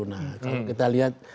nah kalau kita lihat